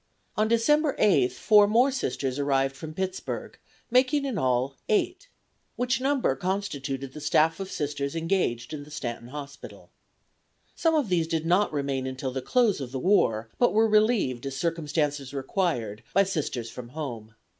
On December 8 four more Sisters arrived from Pittsburg, making in all eight, which number constituted the staff of Sisters engaged in the Stanton Hospital. Some of these did not remain until the close of the war, but were relieved as circumstances required by Sisters from home.